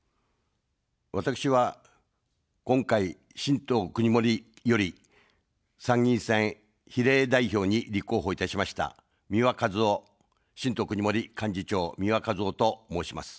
私は今回、新党くにもりより参議院選比例代表に立候補いたしました三輪和雄、新党くにもり幹事長、三輪和雄と申します。